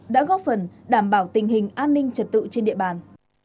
đã góp phần đảm bảo tình hình an ninh trật tự trên địa bàn